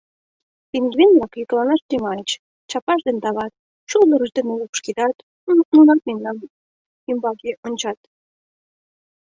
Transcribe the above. Пингвин-влак йӱкланаш тӱҥальыч, чапашт дене тават, шулдырышт дене лупшкедат, нунат мемнан ӱмбаке ончат.